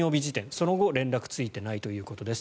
その後、連絡はついていないということです。